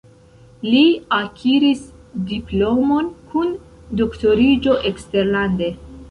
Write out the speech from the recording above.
Li akiris diplomon kun doktoriĝo eksterlande.